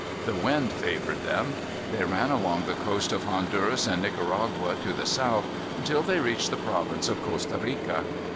The wind favored them. They ran along the coast of Honduras and Nicaragua to the south, until they reached the province of Costa Rica.